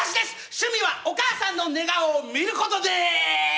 趣味はお母さんの寝顔を見る事です！